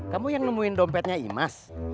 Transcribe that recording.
kamu yang nemuin dompetnya imas